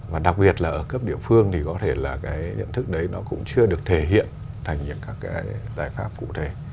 và đặc biệt là ở cấp địa phương thì có thể là cái nhận thức đấy nó cũng chưa được thể hiện thành những các cái giải pháp cụ thể